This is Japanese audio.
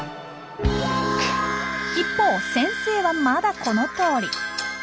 一方先生はまだこのとおり。